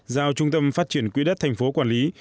giao trung tâm phát triển quỹ đất tp quản lý